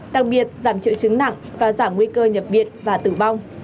đặc biệt giảm triệu chứng nặng và giảm nguy cơ nhập viện và tử vong